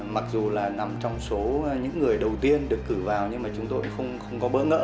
mặc dù là nằm trong số những người đầu tiên được cử vào nhưng mà chúng tôi không có bỡ ngỡ